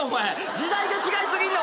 時代が違いすぎんねん。